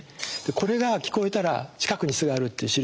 これが聞こえたら近くに巣があるっていうしるしです。